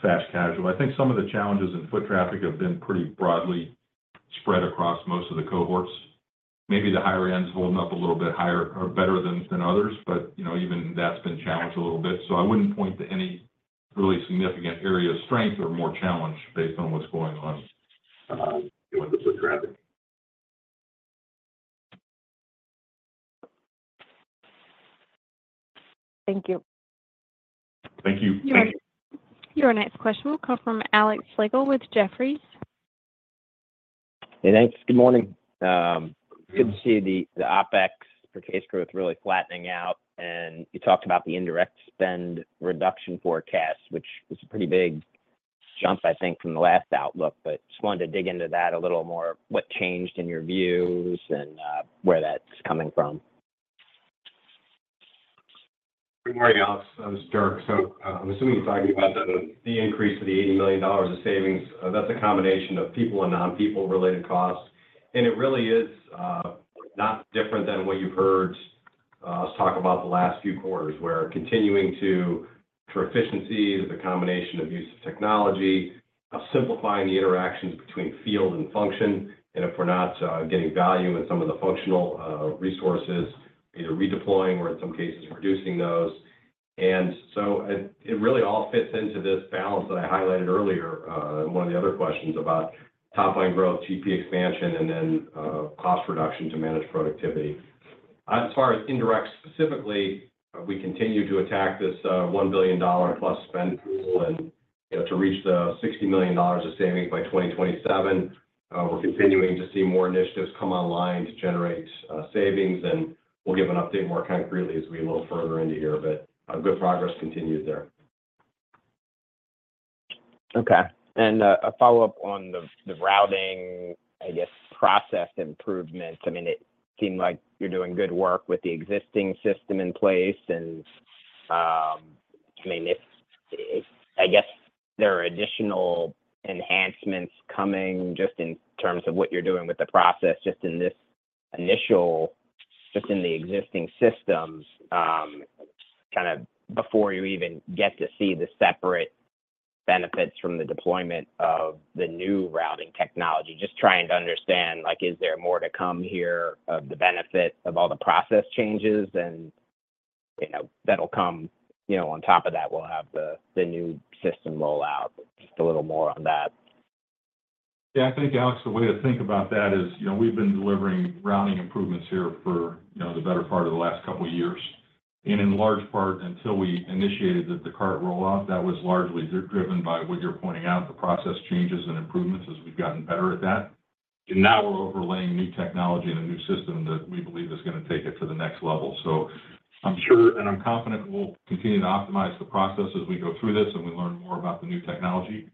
QSR and fast casual. I think some of the challenges in foot traffic have been pretty broadly spread across most of the cohorts. Maybe the higher end is holding up a little bit higher or better than others, but, you know, even that's been challenged a little bit. So I wouldn't point to any really significant area of strength or more challenge based on what's going on with the foot traffic.
Thank you.
Thank you.
Your next question will come from Alex Slagle with Jefferies.
Hey, thanks. Good morning. Good to see the OpEx for case growth really flattening out. And you talked about the indirect spend reduction forecast, which is a pretty big jump, I think, from the last outlook. But just wanted to dig into that a little more. What changed in your views and where that's coming from?
Good morning, Alex. This is Dirk. So, I'm assuming you're talking about the increase of the $80 million in savings. That's a combination of people and non-people related costs. And it really is not different than what you've heard us talk about the last few quarters, where we're continuing to-... for efficiency is a combination of use of technology, of simplifying the interactions between field and function. And if we're not getting value in some of the functional resources, either redeploying or in some cases, reducing those. And so it, it really all fits into this balance that I highlighted earlier in one of the other questions about top line growth, GP expansion, and then cost reduction to manage productivity. As far as indirect specifically, we continue to attack this $1 billion+ spend pool and, you know, to reach the $60 million of savings by 2027. We're continuing to see more initiatives come online to generate savings, and we'll give an update more concretely as we get a little further into the year. But good progress continues there.
Okay. And, a follow-up on the routing, I guess, process improvements. I mean, it seemed like you're doing good work with the existing system in place, and, I mean, it's I guess there are additional enhancements coming just in terms of what you're doing with the process, just in the existing systems, kind of before you even get to see the separate benefits from the deployment of the new routing technology. Just trying to understand, like, is there more to come here of the benefit of all the process changes, and, you know, that'll come, you know, on top of that, we'll have the new system rollout. Just a little more on that.
Yeah, I think, Alex, the way to think about that is, you know, we've been delivering routing improvements here for, you know, the better part of the last couple of years. In large part, until we initiated the Descartes rollout, that was largely driven by what you're pointing out, the process changes and improvements as we've gotten better at that. Now we're overlaying new technology and a new system that we believe is gonna take it to the next level. I'm sure, and I'm confident we'll continue to optimize the process as we go through this and we learn more about the new technology.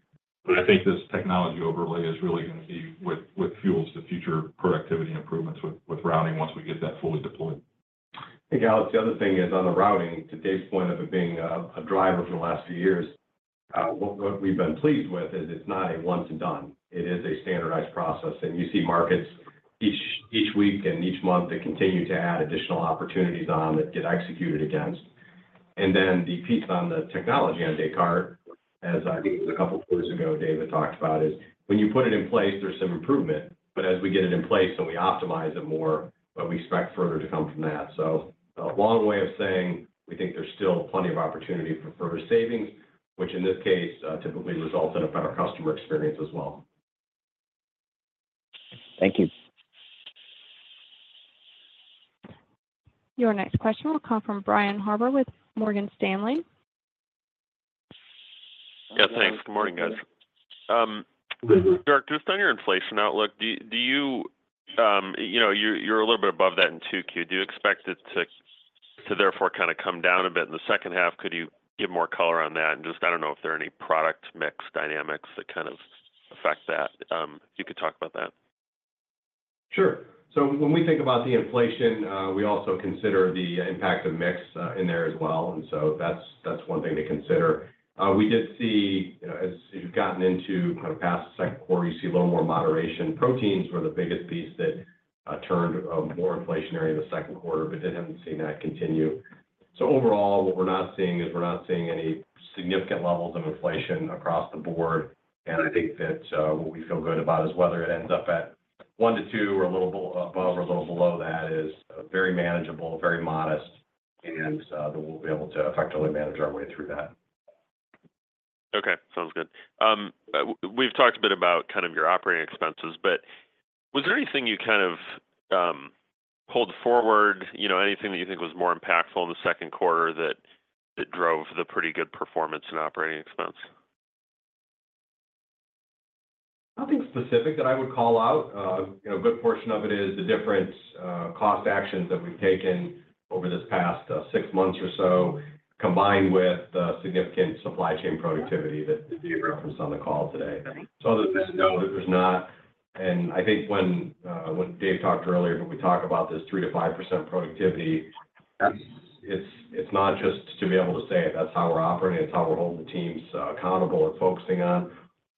But I think this technology overlay is really gonna be what, what fuels the future productivity improvements with, with routing once we get that fully deployed.
I think, Alex, the other thing is on the routing, to Dave's point of it being a driver for the last few years, what we've been pleased with is it's not a once and done. It is a standardized process, and you see markets each week and each month that continue to add additional opportunities on that get executed against. And then the piece on the technology on Descartes, as I think it was a couple of quarters ago, David talked about, is when you put it in place, there's some improvement. But as we get it in place and we optimize it more, we expect further to come from that. So a long way of saying we think there's still plenty of opportunity for further savings, which in this case, typically results in a better customer experience as well.
Thank you.
Your next question will come from Brian Harbour with Morgan Stanley.
Yeah, thanks. Good morning, guys. Just on your inflation outlook, do you expect it to therefore kind of come down a bit in the second half? Could you give more color on that? And just, I don't know if there are any product mix dynamics that kind of affect that. If you could talk about that.
Sure. So when we think about the inflation, we also consider the impact of mix in there as well, and so that's one thing to consider. We did see, you know, as you've gotten into kind of past the second quarter, you see a little more moderation. Proteins were the biggest piece that turned more inflationary in the second quarter, but we didn't see that continue. So overall, what we're not seeing is we're not seeing any significant levels of inflation across the board. And I think that what we feel good about is whether it ends up at one to two or a little above or a little below that is very manageable, very modest, and that we'll be able to effectively manage our way through that.
Okay, sounds good. We've talked a bit about kind of your operating expenses, but was there anything you kind of pulled forward, you know, anything that you think was more impactful in the second quarter that drove the pretty good performance in operating expense?
Nothing specific that I would call out. You know, a good portion of it is the different cost actions that we've taken over this past six months or so, combined with the significant supply chain productivity that we referenced on the call today. So other than that, no, there's not. And I think when, when Dave talked earlier, when we talk about this 3%-5% productivity, it's, it's not just to be able to say it, that's how we're operating, it's how we're holding the teams accountable and focusing on,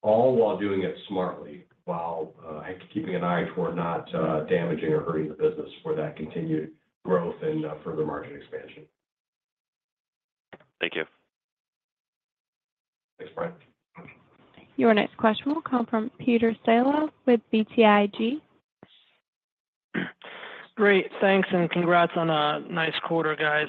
all while doing it smartly, while keeping an eye toward not damaging or hurting the business for that continued growth and further market expansion.
Thank you.
Thanks, Brian.
Your next question will come from Peter Saleh with BTIG.
Great. Thanks, and congrats on a nice quarter, guys.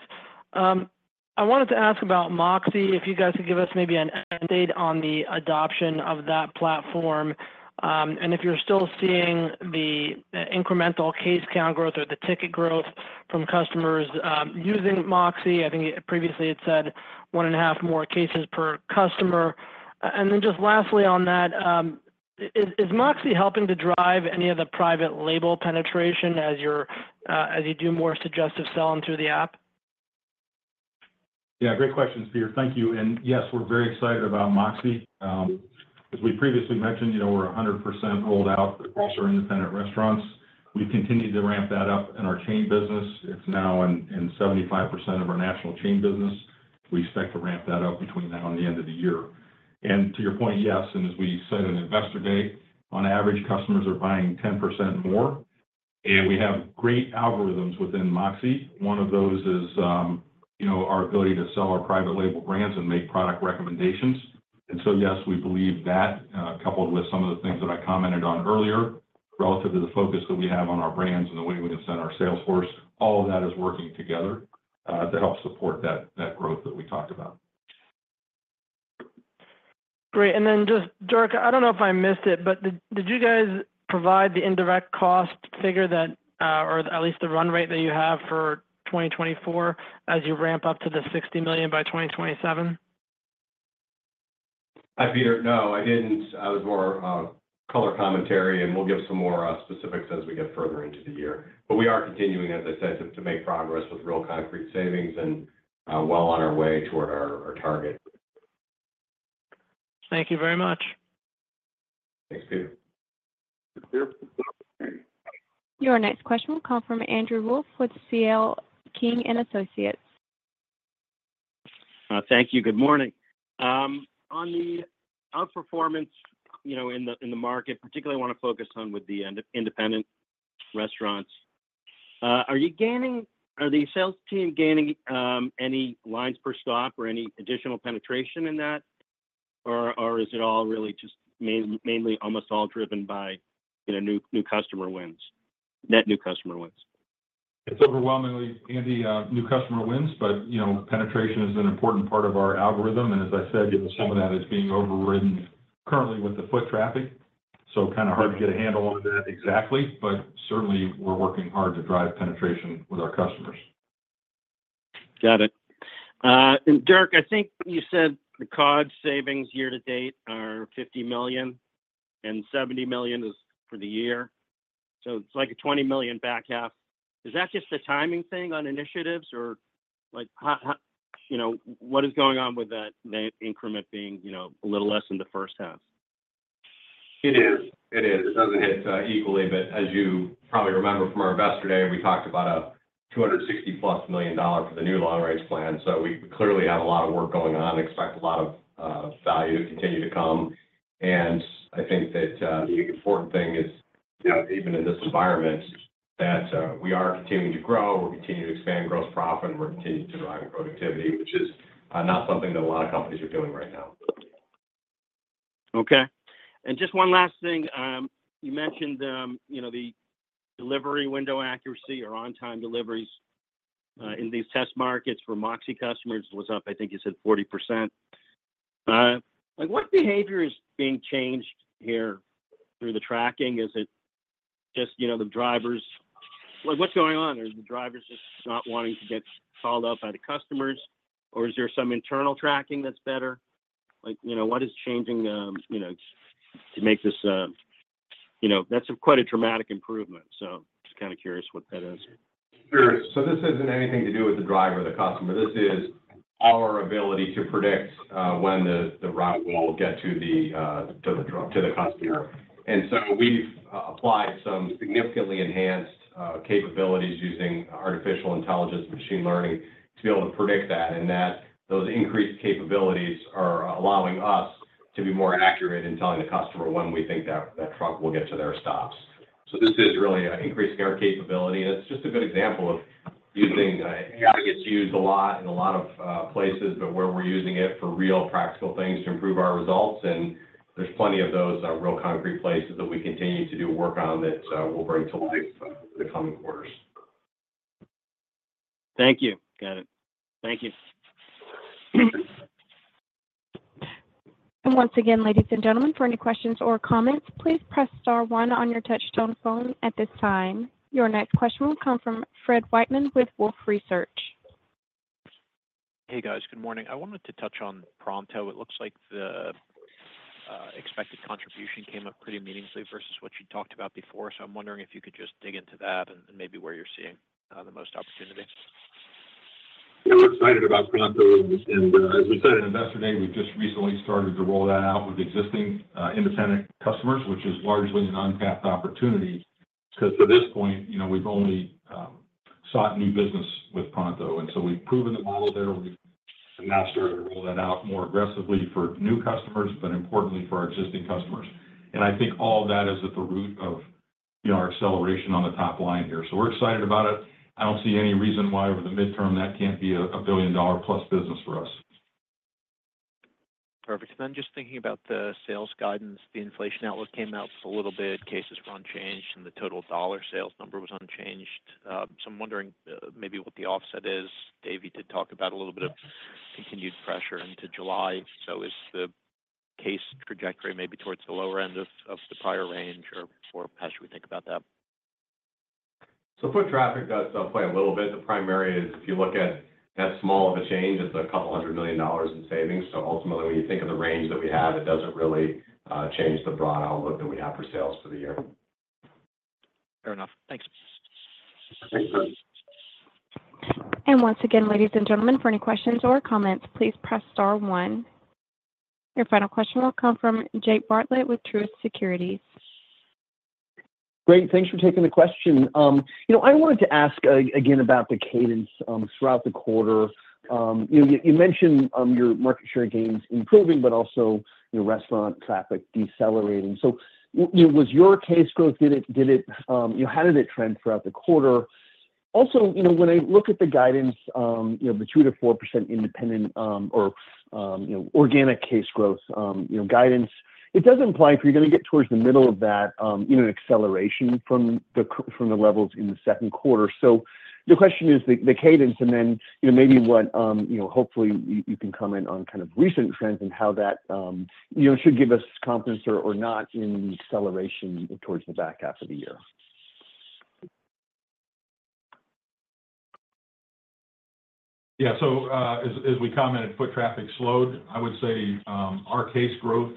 I wanted to ask about MOXē, if you guys could give us maybe an update on the adoption of that platform, and if you're still seeing the incremental case count growth or the ticket growth from customers using MOXē. I think previously it said 1.5 more cases per customer. And then just lastly on that, is, is MOXē helping to drive any of the private label penetration as you're as you do more suggestive selling through the app?
Yeah, great questions, Peter. Thank you. And yes, we're very excited about MOXē. As we previously mentioned, you know, we're 100% rolled out across our Independent Restaurants. We've continued to ramp that up in our chain business. It's now in 75% of our national chain business. We expect to ramp that up between now and the end of the year. And to your point, yes, and as we said in Investor Day, on average, customers are buying 10% more... and we have great algorithms within MOXē. One of those is, you know, our ability to sell our private label brands and make product recommendations. Yes, we believe that, coupled with some of the things that I commented on earlier, relative to the focus that we have on our brands and the way we have sent our sales force, all of that is working together, to help support that, that growth that we talked about.
Great. And then just, Dirk, I don't know if I missed it, but did you guys provide the indirect cost figure that, or at least the run rate that you have for 2024 as you ramp up to the $60 million by 2027?
Hi, Peter. No, I didn't. I was more, color commentary, and we'll give some more, specifics as we get further into the year. But we are continuing, as I said, to make progress with real concrete savings and, well on our way toward our target.
Thank you very much.
Thanks, Peter.
Your next question will come from Andrew Wolf with C.L. King & Associates.
Thank you. Good morning. On the outperformance, you know, in the market, particularly I want to focus on with the Independent Restaurants. Are the sales team gaining any lines per stock or any additional penetration in that? Or is it all really just mainly almost all driven by, you know, new customer wins, net new customer wins?
It's overwhelmingly, Andy, new customer wins, but, you know, penetration is an important part of our algorithm, and as I said, you know, some of that is being overridden currently with the foot traffic. So kind of hard to get a handle on that exactly, but certainly we're working hard to drive penetration with our customers.
Got it. And Dirk, I think you said the COGS savings year to date are $50 million, and $70 million is for the year. So it's like a $20 million back half. Is that just a timing thing on initiatives or like, how you know, what is going on with that, that increment being, you know, a little less in the first half?
It is. It is. It doesn't hit equally, but as you probably remember from our Investor Day, we talked about a $260+ million dollar for the new long range plan. So we clearly have a lot of work going on and expect a lot of value to continue to come. And I think that the important thing is, even in this environment, that we are continuing to grow, we're continuing to expand gross profit, and we're continuing to drive productivity, which is not something that a lot of companies are doing right now.
Okay. Just one last thing. You mentioned, you know, the delivery window accuracy or on-time deliveries, in these test markets for MOXē customers was up, I think you said 40%. Like, what behavior is being changed here through the tracking? Is it just, you know, the drivers? Like, what's going on? Are the drivers just not wanting to get called out by the customers, or is there some internal tracking that's better? Like, you know, what is changing, you know, to make this... You know, that's quite a dramatic improvement, so just kinda curious what that is.
Sure. So this isn't anything to do with the driver or the customer. This is our ability to predict when the route will get to the truck, to the customer. And so we've applied some significantly enhanced capabilities using artificial intelligence and machine learning to be able to predict that, and those increased capabilities are allowing us to be more accurate in telling the customer when we think that truck will get to their stops. So this is really increasing our capability, and it's just a good example of using AI gets used a lot in a lot of places, but where we're using it for real practical things to improve our results, and there's plenty of those real concrete places that we continue to do work on that we'll bring to life in the coming quarters.
Thank you. Got it. Thank you.
And once again, ladies and gentlemen, for any questions or comments, please press star one on your touchtone phone at this time. Your next question will come from Fred Wightman with Wolfe Research.
Hey, guys. Good morning. I wanted to touch on Pronto. It looks like the expected contribution came up pretty meaningfully versus what you talked about before. So I'm wondering if you could just dig into that and maybe where you're seeing the most opportunity?
Yeah, we're excited about Pronto, and as we said in Investor Day, we've just recently started to roll that out with existing independent customers, which is largely an untapped opportunity, because to this point, you know, we've only sought new business with Pronto, and so we've proven the model there. We've now started to roll that out more aggressively for new customers, but importantly for our existing customers. And I think all of that is at the root of, you know, our acceleration on the top line here. So we're excited about it. I don't see any reason why, over the midterm, that can't be a billion-dollar-plus business for us.
Perfect. Then just thinking about the sales guidance, the inflation outlook came out just a little bit, cases were unchanged, and the total dollar sales number was unchanged. So I'm wondering, maybe what the offset is. Dave did talk about a little bit of continued pressure into July. So is the case trajectory maybe towards the lower end of the prior range, or how should we think about that?
So foot traffic does play a little bit. The primary is, if you look at as small of a change, it's $200 million in savings. So ultimately, when you think of the range that we have, it doesn't really change the broad outlook that we have for sales for the year.
Fair enough. Thanks.
Thanks.
And once again, ladies and gentlemen, for any questions or comments, please press star one. Your final question will come from Jake Bartlett with Truist Securities.
Great. Thanks for taking the question. You know, I wanted to ask again about the cadence throughout the quarter. You mentioned your market share gains improving, but also your restaurant traffic decelerating. So, you know, was your case growth, did it, you know, how did it trend throughout the quarter? Also, you know, when I look at the guidance, you know, the 2%-4% independent or organic case growth, you know, guidance, it does imply if you're gonna get towards the middle of that, you know, acceleration from the levels in the second quarter. So the question is the, the cadence, and then, you know, maybe what, you know, hopefully, you, you can comment on kind of recent trends and how that, you know, should give us confidence or, or not in the acceleration towards the back half of the year.
Yeah. So, as we commented, foot traffic slowed. I would say, our case growth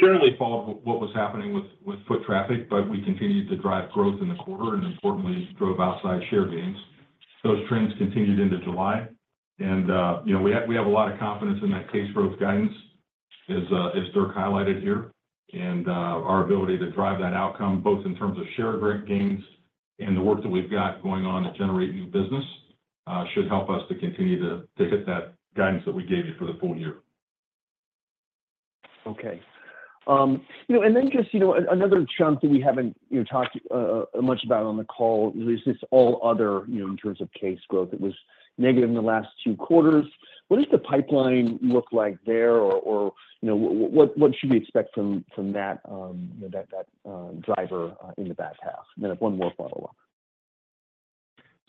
generally followed what was happening with foot traffic, but we continued to drive growth in the quarter and importantly, drove outside share gains. Those trends continued into July and, you know, we have a lot of confidence in that case growth guidance, as Dirk highlighted here. Our ability to drive that outcome, both in terms of share rate gains and the work that we've got going on to generate new business, should help us to continue to hit that guidance that we gave you for the full year.
Okay. You know, and then just, you know, another chunk that we haven't, you know, talked much about on the call, is this all other, you know, in terms of case growth. It was negative in the last two quarters. What does the pipeline look like there? Or, you know, what should we expect from that, you know, that driver in the back half? And then I have one more follow-up.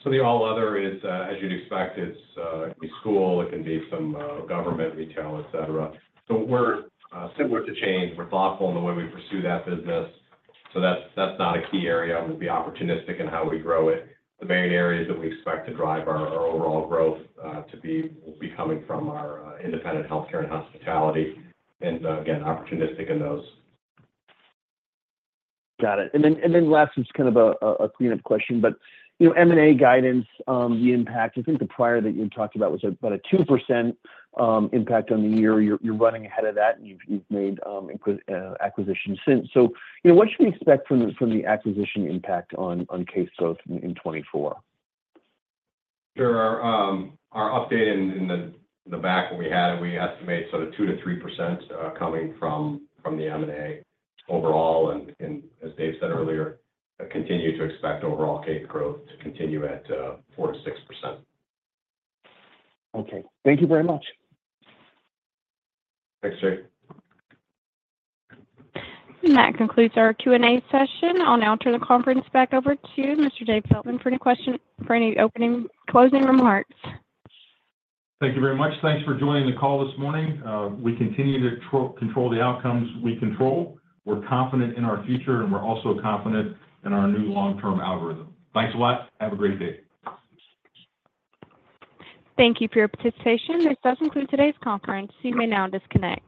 So the all other is, as you'd expect, it's, it can be school, it can be some government, retail, et cetera. So we're similar to chains, we're thoughtful in the way we pursue that business, so that's, that's not a key area. We'll be opportunistic in how we grow it. The main areas that we expect to drive our overall growth will be coming from our Independent, Healthcare, and Hospitality, and again, opportunistic in those.
Got it. And then last, it's kind of a cleanup question, but, you know, M&A guidance, the impact, I think the prior that you talked about was about a 2% impact on the year. You're running ahead of that, and you've made acquisitions since. So, you know, what should we expect from the acquisition impact on case growth in 2024?
Sure. Our update in the back that we had, we estimate sort of 2%-3% coming from the M&A overall. And as Dave said earlier, continue to expect overall case growth to continue at 4%-6%.
Okay. Thank you very much.
Thanks, Jake.
That concludes our Q&A session. I'll now turn the conference back over to Mr. Dave Flitman for any closing remarks.
Thank you very much. Thanks for joining the call this morning. We continue to control the outcomes we control. We're confident in our future, and we're also confident in our new long-term algorithm. Thanks a lot. Have a great day.
Thank you for your participation. This does conclude today's conference. You may now disconnect.